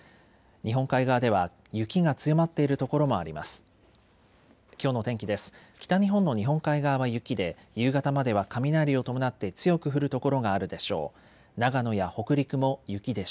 日本海側では雪が強まっている所もあります。